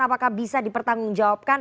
apakah bisa dipertanggungjawabkan